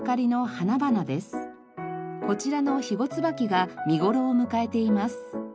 こちらの肥後椿が見頃を迎えています。